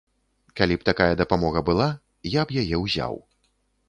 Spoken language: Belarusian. Калі б такая дапамога была, я б яе ўзяў.